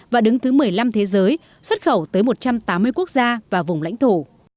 và đứng thứ một mươi năm thế giới xuất khẩu tới một trăm tám mươi quốc gia và vùng lãnh thổ